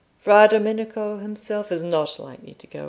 Fra Domenico himself is not likely to go in.